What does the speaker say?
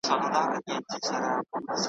د ځنګله پاچا ولاړ په احترام سو .